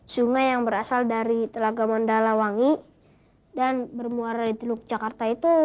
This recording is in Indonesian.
sungai yang berasal dari telaga mandalawangi dan bermuara di teluk jakarta itu